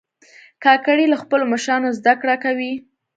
کاکړي له خپلو مشرانو زده کړه کوي.